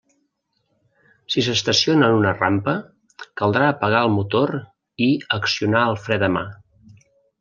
Si s'estaciona en una rampa, caldrà apagar el motor, i accionar el fre de mà.